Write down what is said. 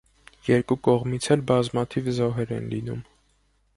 Երկու կողմից էլ բազմաթիվ զոհեր են լինում։